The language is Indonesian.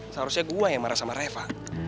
seharusnya gue yang marah sama reva